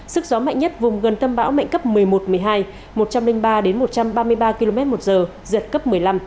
sức gió mạnh nhất vùng gần tâm bão mạnh cấp một mươi một một mươi hai một trăm linh ba một trăm ba mươi ba km một giờ giật cấp một mươi năm